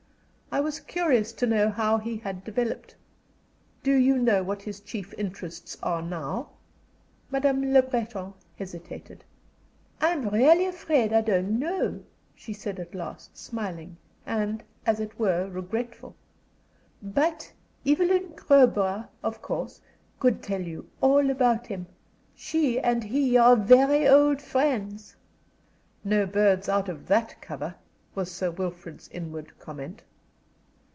I was curious to know how he had developed. Do you know what his chief interests are now?" Mademoiselle Le Breton hesitated. "I'm really afraid I don't know," she said, at last, smiling, and, as it were, regretful. "But Evelyn Crowborough, of course, could tell you all about him. She and he are very old friends." "No birds out of that cover," was Sir Wilfrid's inward comment.